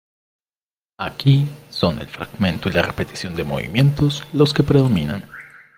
Aquí, son el fragmento y la repetición de movimientos los que predominan.